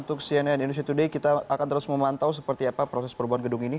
dan di indonesia today kita akan terus memantau seperti apa proses perubahan gedung ini